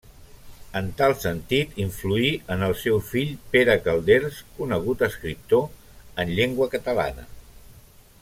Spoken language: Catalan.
En tal sentit influí en el seu fill Pere Calders, conegut escriptor en llengua catalana.